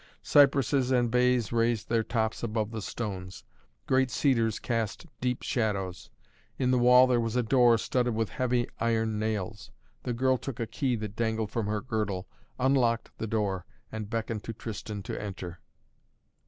Cypresses and bays raised their tops above the stones. Great cedars cast deep shadows. In the wall there was a door studded with heavy iron nails. The girl took a key that dangled from her girdle, unlocked the door and beckoned to Tristan to enter.